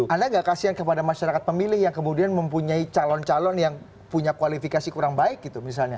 anda nggak kasihan kepada masyarakat pemilih yang kemudian mempunyai calon calon yang punya kualifikasi kurang baik gitu misalnya